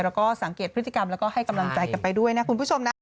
แล้วก็สังเกตพฤติกรรมแล้วก็ให้กำลังใจกันไปด้วยนะคุณผู้ชมนะ